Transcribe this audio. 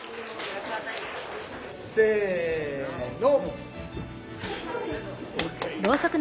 せの。